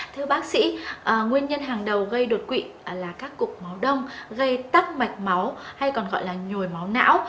thưa bác sĩ nguyên nhân hàng đầu gây đột quỵ là các cục máu đông gây tắc mạch máu hay còn gọi là nhồi máu não